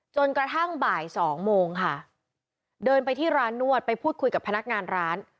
จนกระทั่งบ่ายสองโมงค่ะเดินไปที่ร้านนวดไปพูดคุยกับพนักงานร้าน